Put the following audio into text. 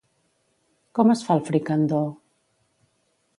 Com es fa el fricandó?